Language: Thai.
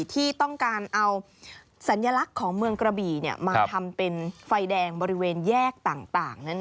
ที่ต้องการเอาสัญลักษณ์ของเมืองกระบี่มาทำเป็นไฟแดงบริเวณแยกต่างนั้น